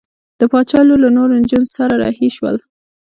د باچا لور له نورو نجونو سره رهي شول.